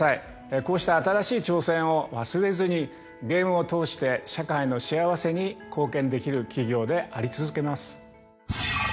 こうした新しい挑戦を忘れずにゲームを通して社会の幸せに貢献できる企業であり続けます。